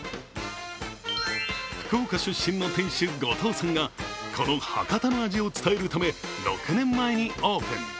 福岡出身の店主、後藤さんがこの博多の味を伝えるため６年前にオープン。